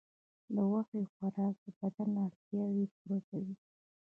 د غوښې خوراک د بدن اړتیاوې پوره کوي.